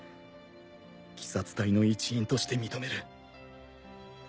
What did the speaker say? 鬼殺隊の一員として認める。